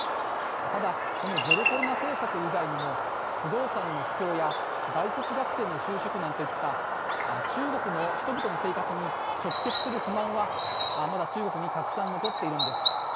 ただこのゼロコロナ政策以外にも不動産の不況や大卒学生の就職難といった中国の人々の生活に直結する不満はまだ中国にたくさん残っているんです。